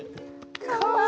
かわいい。